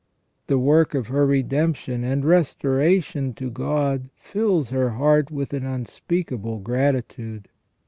The work of her redemption and restoration to God fills her heart with an unspeakable gratitude.